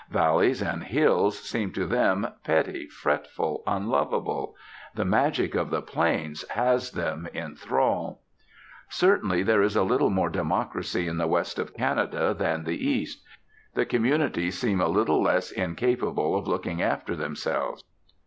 Valleys and hills seem to them petty, fretful, unlovable. The magic of the plains has them in thrall. Certainly there is a little more democracy in the west of Canada than the east; the communities seem a little less incapable of looking after themselves.